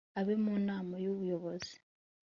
abe mu nama y ubuyobozi